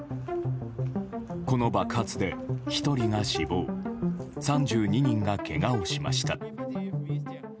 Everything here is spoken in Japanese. この爆発で１人が死亡３２人がけがをしました。